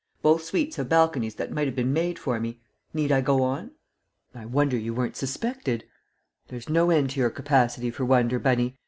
Both suites have balconies that might have been made for me. Need I go on?" "I wonder you weren't suspected." "There's no end to your capacity for wonder, Bunny.